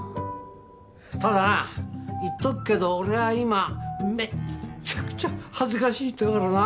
ただな言っとくけど俺は今めっちゃくちゃ恥ずかしいんだからな。